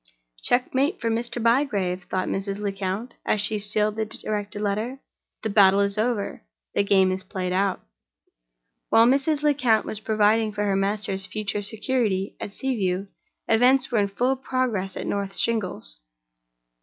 "Checkmate for Mr. Bygrave!" thought Mrs. Lecount, as she sealed and directed the letter. "The battle is over—the game is played out." While Mrs. Lecount was providing for her master's future security at Sea View, events were in full progress at North Shingles.